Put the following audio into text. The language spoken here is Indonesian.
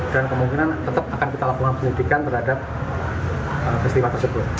dan kemungkinan tetap akan kita laporan penyelidikan terhadap festival tersebut